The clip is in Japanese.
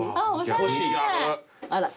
欲しい。